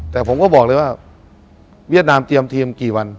แต่ผมก็บอกเลยว่าเวียดนามเตรียมทีมกี่วัน